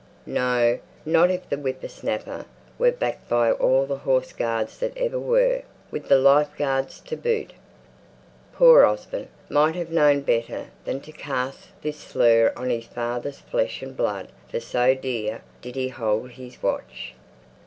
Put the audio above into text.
No! not if the whipper snapper were backed by all the Horse Guards that ever were, with the Life Guards to boot. Poor Osborne might have known better than to cast this slur on his father's flesh and blood; for so dear did he hold his watch!